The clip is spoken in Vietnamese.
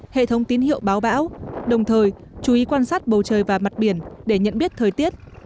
hệ thống tín hiệu báo bão đồng thời chú ý quan sát bầu trời và mặt biển để nhận biết thời tiết